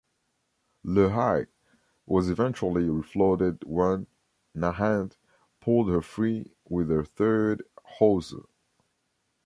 "Lehigh" was eventually refloated when "Nahant" pulled her free with a third hawser.